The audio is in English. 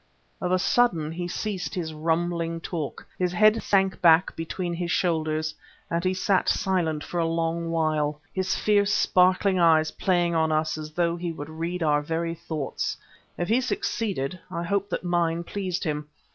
Of a sudden he ceased his rumbling talk, his head sank back between his shoulders and he sat silent for a long while, his fierce, sparkling eyes playing on us as though he would read our very thoughts. If he succeeded, I hope that mine pleased him.